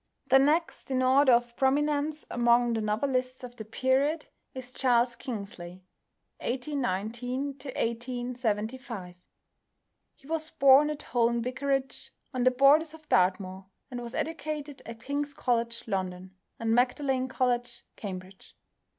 The next in order of prominence among the novelists of the period is =Charles Kingsley (1819 1875)=. He was born at Holne Vicarage, on the borders of Dartmoor, and was educated at King's College, London, and Magdalen College, Cambridge.